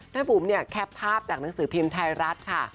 บุ๋มเนี่ยแคปภาพจากหนังสือพิมพ์ไทยรัฐค่ะ